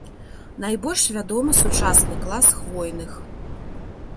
Найбольш вядомы сучасны клас хвойных.